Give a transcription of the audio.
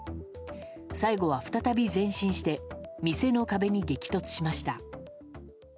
最後は再び前進して、店の壁に激突しました。